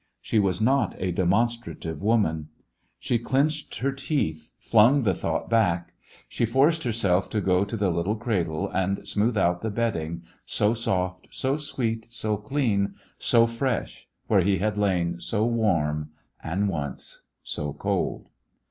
She was not a demonstrative woman. She clenched her teeth, flung the thought back. She forced herself to go to the little cradle and smooth out the bedding, so soft, so sweet, so clean, so fresh, where he had lain so warm and once so cold.